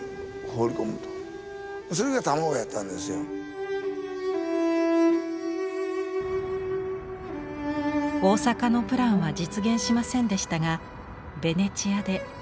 大阪のプランは実現しませんでしたがベネチアでチャンスが訪れます。